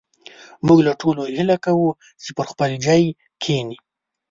موږ له ټولو هيله کوو چې پر خپل ځاى کښېنئ